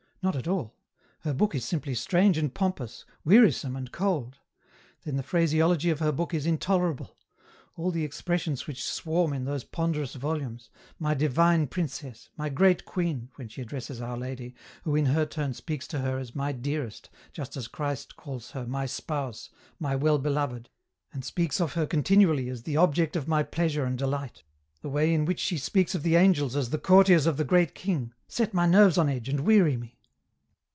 Not at all ; her book is simply strange and pompous, weari some and cold. Then the phraseology of her book is intolerable. All the expressions which swarm in those ponderous volumes, ' my divine princess,' ' my great queen,' when she addresses Our Lady, who in her turn speaks to her as ' my dearest,' just as Christ calls her ' my spouse,' ' my well beloved,' and speaks of her continually as ' the object of my pleasure and delight,' the way in which she speaks of the angels as * the courtiers of the great King,' set my nerves on edge and weary me.